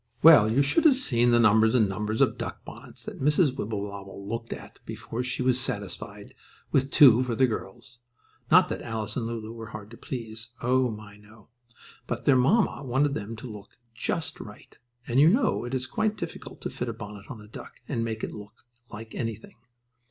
Well, you should have seen the numbers and numbers of duck bonnets that Mrs. Wibblewobble looked at before she was satisfied with two for the girls. Not that Alice and Lulu were hard to please. Oh, my, no! But their mamma wanted them to look just right, and you know it is quite difficult to fit a bonnet on a duck and make it look like anything.